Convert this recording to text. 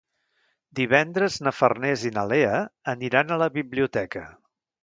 Divendres na Farners i na Lea aniran a la biblioteca.